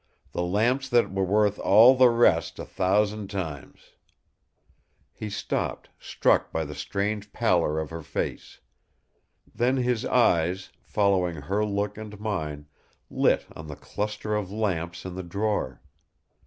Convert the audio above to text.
The lamps that were worth all the rest a thousand times...." He stopped, struck by the strange pallor of her face. Then his eyes, following her look and mine, lit on the cluster of lamps in the drawer.